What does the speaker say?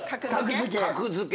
『格付け』？